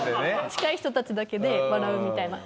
近い人たちだけで笑うみたいな。